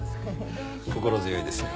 心強いですよ。